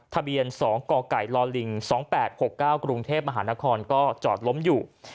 ทะเบียน๒กกลลิง๒๘๖๙กรุงเทพมหานครก็จอดล้มอยู่